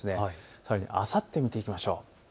さらにあさって見ていきましょう。